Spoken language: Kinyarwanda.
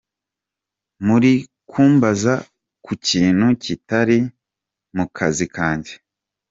Murikumbaza ku kintu kitari mu kazi kanjye.